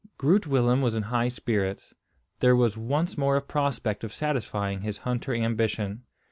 Groot Willem was in high spirits. There was once more a prospect of satisfying his hunter ambition.